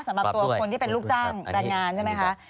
สำหรับตัวคนที่เป็นลูกจ้างการงานใช่ไหมคะ